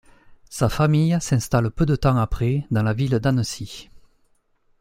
Sa famille s'installe peu de temps après dans la ville d'Annecy.